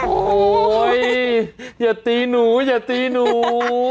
โอ้โหอย่าตีหนูอย่าตีหนู